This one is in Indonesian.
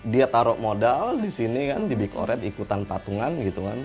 dia taruh modal di sini kan di big oret ikutan patungan gitu kan